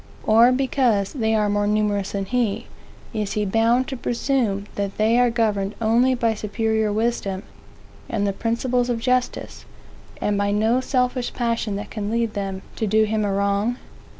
Or, because they are more numerous than he, is he bound to presume that they are governed only by superior wisdom, and the principles of justice, and by no selfish passion that can lead them to do him a wrong?